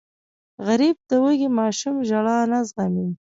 غریب د وږې ماشوم ژړا نه زغمي